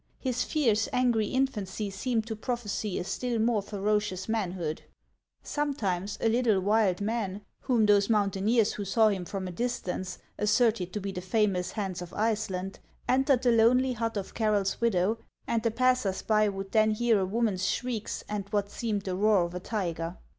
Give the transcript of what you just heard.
His fierce, angry infancy seemed to prophecy a still more ferocious manhood. Sometimes a little wild man — whom those mountaineers who saw him from a distance asserted to be the famous Hans of Iceland — en tered the lonely hut of Carroll's widow, and the passers by would then hear a woman's shrieks and what seemed the roar of a tiger.